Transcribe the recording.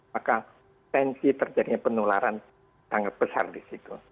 maka mungkin terjadinya penularan sangat besar disitu